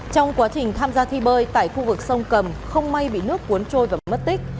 trong quá trình tham gia thi bơi tại khu vực sông cầm không may bị nước cuốn trôi và mất tích